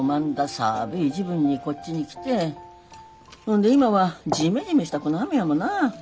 寒い時分にこっちに来てほんで今はじめじめしたこの雨やもなあ。